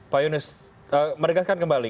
pak yunus menegaskan kembali